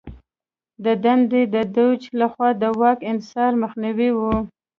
د دنده یې د دوج لخوا د واک انحصار مخنیوی و.